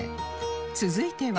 続いては